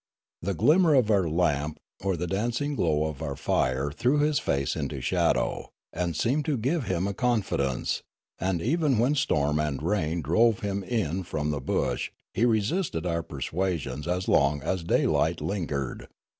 The glimmer of our lamp or the dancing glow of our fire threw his face into shadow, and seemed to give him confidence; and even when storm and rain drove him in from the bush he resisted our persuasions as long as daylight lingered.